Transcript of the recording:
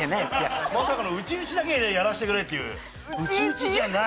まさかの内々だけでやらせてくれっていう内々じゃない。